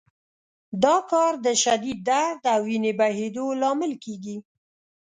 دا کار د شدید درد او وینې بهېدو لامل کېږي.